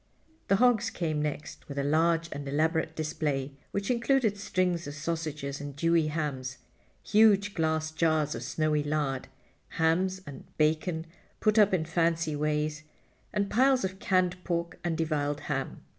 The hogs came next with a large and elaborate display, which included strings of sausages and Dewey hams, huge glass jars of snowy lard, hams and bacon put up in fancy ways, and piles of canned pork and deviled ham.